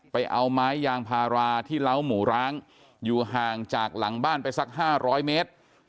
ไปเอาไม้ยางพาราที่เล้าหมูร้างอยู่ห่างจากหลังบ้านไปสัก๕๐๐เมตร